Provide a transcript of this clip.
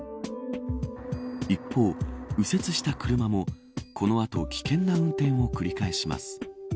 一方、右折した車もこの後、危険な運転を繰り返します。